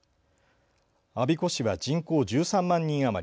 我孫子市は人口１３万人余り。